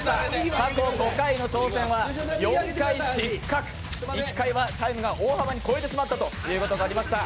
過去５回の挑戦は４回失格１回はタイムが大幅に超えてしまったことがありました。